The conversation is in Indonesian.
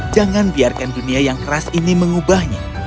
jangan biarkan dunia yang keras ini mengubahnya